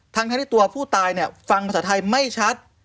ทั้งทั้งที่ตัวผู้ตายฟังภาษาไทยไม่ชัด